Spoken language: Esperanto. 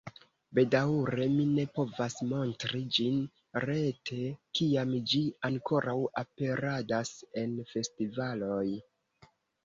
Bedaŭre mi ne povas montri ĝin rete, kiam ĝi ankoraŭ aperadas en festivaloj.